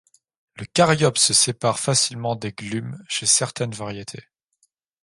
Le caryopse se sépare facilement des glumes chez certaines variétés.